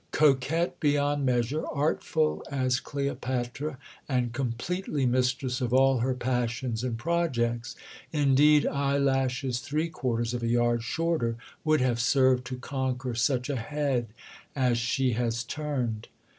Coquette beyond measure, artful as Cleopatra, and completely mistress of all her passions and projects. Indeed, eyelashes three quarters of a yard shorter would have served to conquer such a head as she has turned."